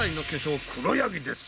うクロヤギです。